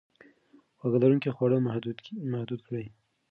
خواږه لرونکي خواړه محدود کړئ.